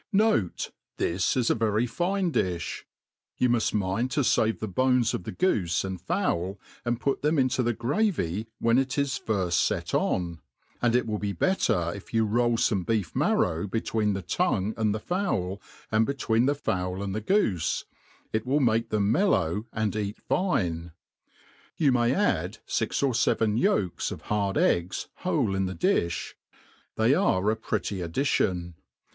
Note, This is a very fine difli. You muft mind to fave the bones of the goofe and fowl, and put them into th^grav^ wheq It is firft fet on ; and it wil} be better if you roll fome beefr marrow between the tongqe and the fowl, and between the fowl and jgoofe, it will make them mellow and eat fine. Yoq may add fix or feven yolks of hard eggs whole in the difli \ they are a pretty addition.